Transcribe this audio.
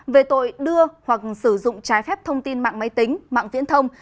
về tội đưa hoặc sử dụng trái phép thông tin mạng máy tính mạng viễn thông